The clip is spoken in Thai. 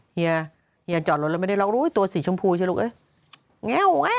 เฮียจอดรถแล้วไม่ได้ล็อกตัวสีชมพูจริง